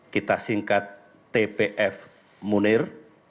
kita singkat tpf munir